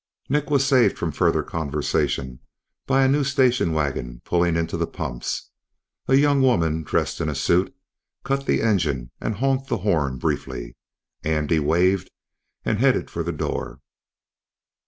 Nick was saved from further conversation by a new station wagon pulling into the pumps. A young woman, dressed in a suit, cut the engine and honked the horn briefly. Andy waved and headed for the door.